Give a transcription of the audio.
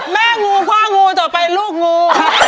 แม่งูขวางงูต่อไปลูกงู